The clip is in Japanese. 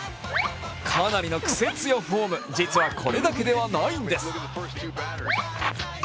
かなりのクセ強フォーム実はこれだけではないんです。